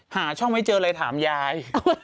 หาช่องไม่เจอเลยถามยาย